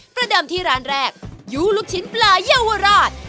ประเดิมที่ร้านแรกยู้ลูกชิ้นปลาเยาวราช